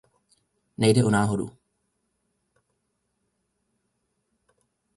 Nejde o náhodu.